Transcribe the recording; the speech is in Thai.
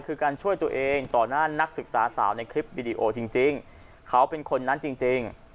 คือการช่วยตัวเองต่อหน้านักศึกษาสาวในคลิปวิดีโอจริงเขาเป็นคนนั้นจริง